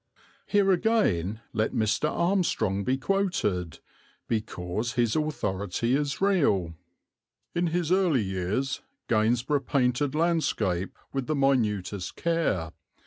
Here again let Mr. Armstrong be quoted, because his authority is real: "In his early years Gainsborough painted landscape with the minutest care.